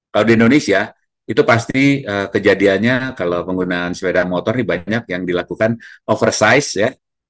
kalau di indonesia itu pasti kejadiannya kalau penggunaan sepeda motor ini banyak yang dilakukan oversize ya